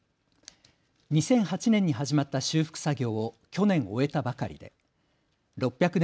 ２００８年に始まった修復作業を去年、終えたばかりで６００年